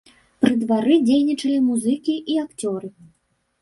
Пры двары дзейнічалі музыкі і акцёры.